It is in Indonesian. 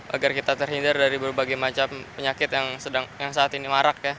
agar kita terhindar dari berbagai macam penyakit yang saat ini marak ya